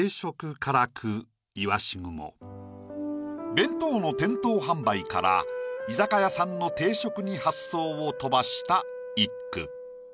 弁当の店頭販売から居酒屋さんの定食に発想を飛ばした一句。